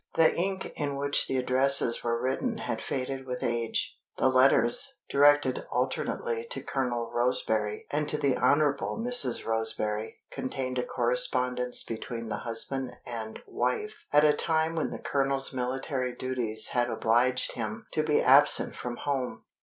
The ink in which the addresses were written had faded with age. The letters, directed alternately to Colonel Roseberry and to the Honorable Mrs. Roseberry, contained a correspondence between the husband and wife at a time when the Colonel's military duties had obliged him to be absent from home.